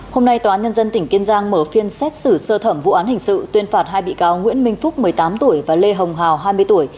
hôm nay tòa án nhân dân tỉnh kiên giang mở phiên xét xử sơ thẩm vụ án hình sự tuyên phạt hai bị cáo nguyễn minh phúc một mươi tám tuổi và lê hồng hào hai mươi tuổi